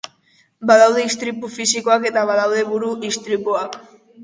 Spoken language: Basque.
Badaude istripu fisikoak eta badaude buru istripuak.